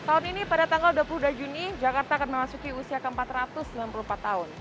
tahun ini pada tanggal dua puluh dua juni jakarta akan memasuki usia ke empat ratus enam puluh empat tahun